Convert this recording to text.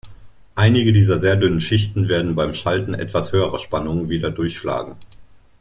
Einige dieser sehr dünnen Schichten werden beim Schalten etwas höherer Spannungen wieder durchschlagen.